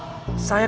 saya akan menghantar